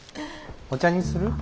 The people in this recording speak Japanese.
お茶にする？